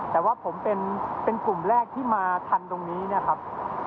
แต่ว่าผมเป็นกลุ่มแรกที่มาทันตรงนี้นะครับ